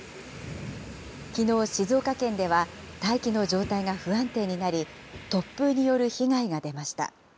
きのう、静岡県では大気の状態が不安定になり、突風による被害が出ました。